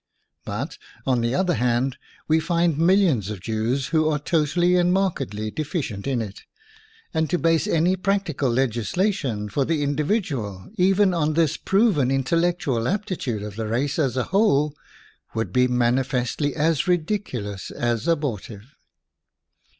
But, on the other hand, we find millions of Jews who are to tally and markedly deficient in it, and to base any practical legislation for the individual even on this proven intel lectual aptitude of the race as a whole WOMAN AND WAR would be manifestly as ridiculous as abortive.